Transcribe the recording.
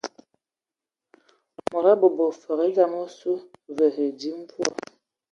Mod a bobo fəg e dzam osu, və e dzi mvua.